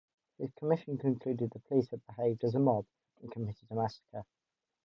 His commission concluded the police had behaved as a mob and committed a massacre.